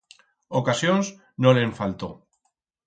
Ocasions, no le'n faltó.